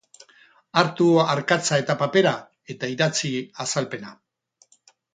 Hartu arkatza eta papera eta idatzi azalpena.